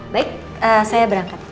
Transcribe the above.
baik saya berangkat